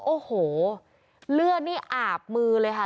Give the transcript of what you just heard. โอ้โหเลือดนี่อาบมือเลยค่ะ